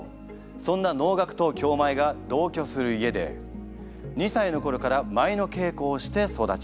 そんな能楽と京舞が同居する家で２歳の頃から舞の稽古をして育ちます。